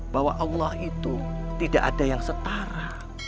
bahwa allah itu tidak ada yang setara